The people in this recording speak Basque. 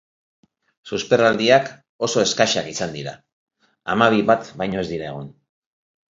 Susperraldiak oso eskasak izan dira, hamabi bat baino ez dira egon.